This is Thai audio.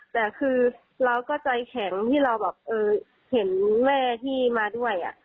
แต่คือเราก็ใจแข็งที่เราแบบเห็นแม่ที่มาด้วย